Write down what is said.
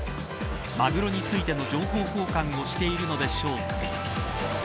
マグロについての情報交換をしているのでしょうか。